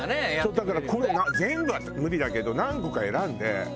だから全部は無理だけど何個か選んで。